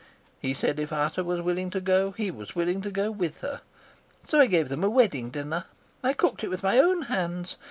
He said if Ata was willing to go, he was willing to go with her. So I gave them a wedding dinner. I cooked it with my own hands.